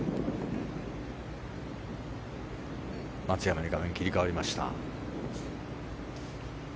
松山に画面が切り替わりました。